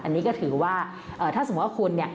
อันนี้ก็ถือว่าถ้าสมมุติว่าคุณเนี่ย